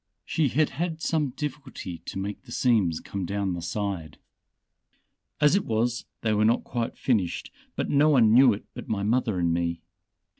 She had had some difficulty to make the seams come down the side. As it was they were not quite finished, but no one knew it but my mother and me.